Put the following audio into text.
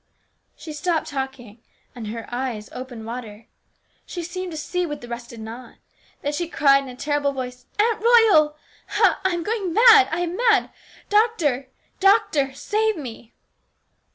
She stopped talking, and he eyes opened wider. She seemed to see what the rest did not. Then she cried in a terrible voice : "Aunt Royal ! Hal ! I am going mad ! I am mad ! Doctor ! doctor ! save me